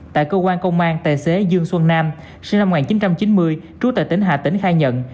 tại cơ quan công an tài xế dương xuân nam sinh năm một nghìn chín trăm chín mươi trú tại tỉnh hà tĩnh khai nhận